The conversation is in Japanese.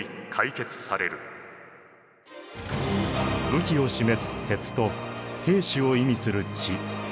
武器を示す鉄と兵士を意味する血。